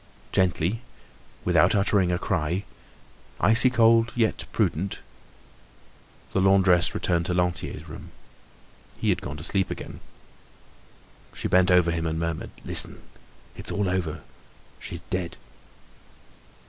Gently, without uttering a cry, icy cold yet prudent, the laundress returned to Lantier's room. He had gone to sleep again. She bent over him and murmured: "Listen, it's all over, she's dead."